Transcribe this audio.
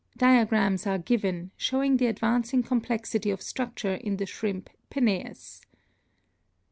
Diagrams are given, showing the advancing complexity of structure in the shrimp Peneus.